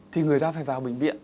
thì người ta phải vào bệnh viện